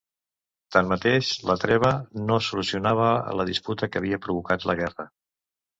Tanmateix, la treva no solucionava la disputa que havia provocat la guerra.